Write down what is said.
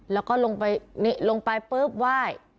แล้วก็ลงไปนี่ลงไปปุ๊บไหว้